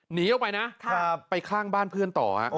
หนีออกไปนะไปข้างบ้านเพื่อนต่อ